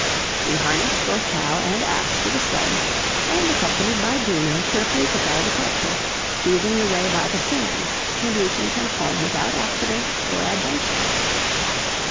We harnessed both cow and ass to the sledge, and, accompanied by Juno, cheerfully took our departure, choosing the way by the sands, and reaching Tentholm without accident or adventure.